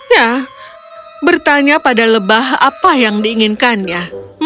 ya bertanya pada lebah apa yang diinginkannya